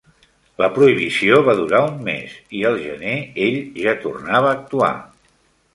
La prohibició va durar un mes i el gener ell ja tornava a actuar.